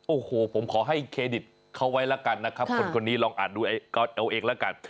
โอ้โหผมขอให้เครดิตเขาไว้ละกันนะครับคนนี้ลองอ่านดูไอ้ก๊อตเอลเอ็กซ์ละกัน